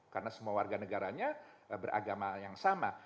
karena semua warga negaranya beragama yang sama